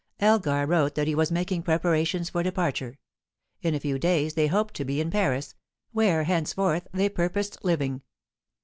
Elgar wrote that he was making preparations for departure; in a few days they hoped to be in Paris, where henceforth they purposed living.